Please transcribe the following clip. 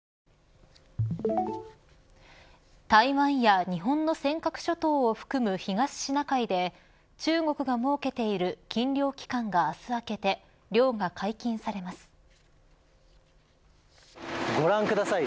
台湾や日本の尖閣諸島を含む東シナ海で中国が設けている禁漁期間が明日明けてご覧ください。